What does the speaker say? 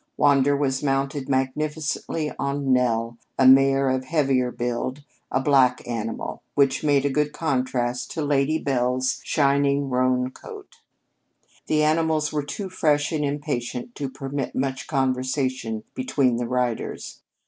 Wander was mounted magnificently on Nell, a mare of heavier build, a black animal, which made a good contrast to Lady Bel's shining roan coat. The animals were too fresh and impatient to permit much conversation between their riders.